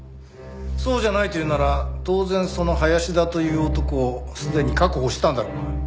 そうじゃないというなら当然その林田という男をすでに確保したんだろうな？